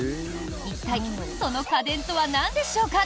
一体その家電とはなんでしょうか？